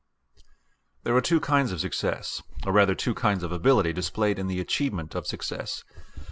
There are two kinds of success, or rather two kinds of ability displayed in the achievement of success.